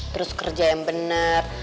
terus kerja yang benar